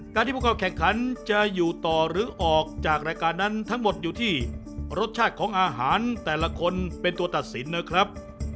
การที่ผู้เข้าแข่งขันจะอยู่ต่อหรือออกจากรายการนั้นทั้งหมดอยู่ที่รสชาติของอาหารแต่ละคนเป็นตัวตัดสินนะครับ